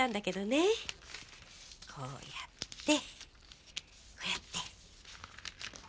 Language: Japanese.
こうやってこうやって。